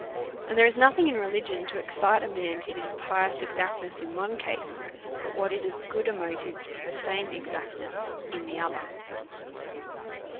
And there is nothing in religion to ex cite a man to this pious exactness in one case, but what is as good a motive to the same exactness in the other.